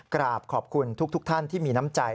กราบขอบคุณทุกท่านที่มีน้ำใจ